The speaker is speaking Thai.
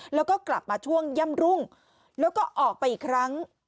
แล้วก็กลับมาช่วงย่ำรุ่งแล้วก็ออกไปอีกครั้ง